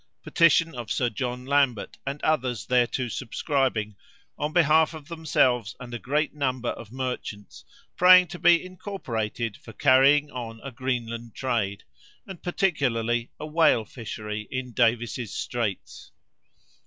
Petition of Sir John Lambert and others thereto subscribing, on behalf of themselves and a great number of merchants, praying to be incorporated for carrying on a Greenland trade, and particularly a whale fishery in Davis's Straits.